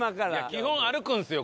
基本歩くんですよ